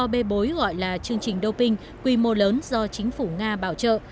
ba bê bối gọi là chương trình doping quy mô lớn do chính phủ nga bảo trợ